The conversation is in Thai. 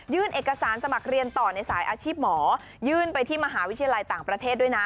เอกสารสมัครเรียนต่อในสายอาชีพหมอยื่นไปที่มหาวิทยาลัยต่างประเทศด้วยนะ